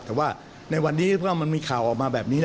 แต่ว่าในวันนี้เมื่อมันมีข่าวออกมาแบบนี้